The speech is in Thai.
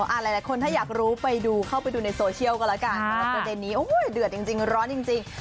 หลายคนถ้าอยากรู้ไปดูเข้าไปดูในโซเชียลกันแล้วกันสำหรับประเด็นนี้เดือดจริงร้อนจริง